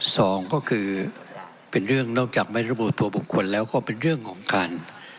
สองก็คือเป็นเรื่องนอกจากไม่ระบุตัวบุคคลแล้วก็เป็นเรื่องของการ